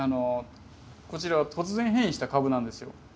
こちらは突然変異した株なんですよ。